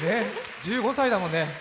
１５歳だもんね。